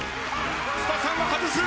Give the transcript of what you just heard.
津田さんは外す。